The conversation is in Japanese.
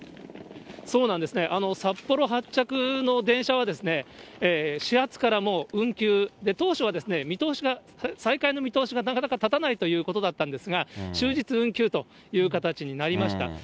そうなんですね、札幌発着の電車は、始発からもう運休で、当初は見通しが、再開の見通しがなかなか立たないということだったんですが、終日運休という形になりました。